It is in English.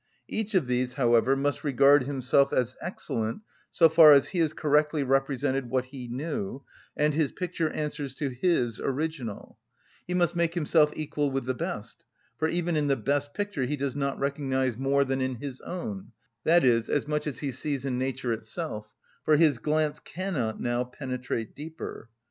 Each of these, however, must regard himself as excellent so far as he has correctly represented what he knew, and his picture answers to his original: he must make himself equal with the best, for even in the best picture he does not recognise more than in his own, that is, as much as he sees in nature itself; for his glance cannot now penetrate deeper.